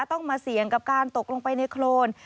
ต้องมาเสี่ยงกับการตกลงไปในโครน